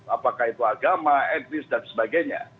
apakah itu agama etnis dan sebagainya